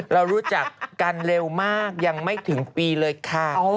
เรารู้จักกันเร็วมากยังไม่ถึงปีเลยค่ะ